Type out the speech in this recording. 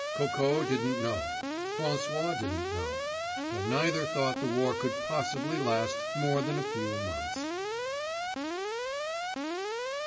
Coco didn't know, François didn't know; but neither thought the war could possibly last more than a few months.